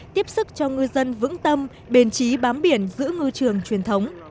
tiếp sức cho ngư dân vững tâm bền trí bám biển giữ ngư trường truyền thống